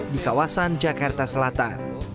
di kawasan jakarta selatan